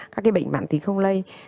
các cái bệnh mặn tính không lây